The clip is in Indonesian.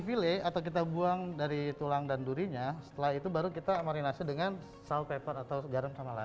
pilih atau kita buang dari tulang dan durinya setelah itu baru kita marinasi dengan sal pepper atau garam sama la